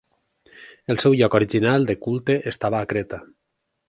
El seu lloc original de culte estava a Creta.